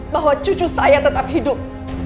bahwa cucu saya tetap hidup